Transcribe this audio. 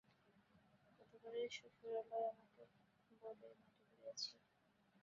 গতবারে শ্বশুরালয়ে আমাকে বড়োই মাটি করিয়াছিল।